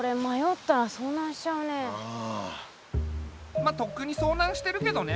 まっとっくにそうなんしてるけどね。